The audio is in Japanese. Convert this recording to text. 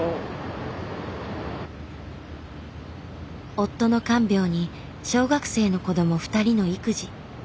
夫の看病に小学生の子ども２人の育児。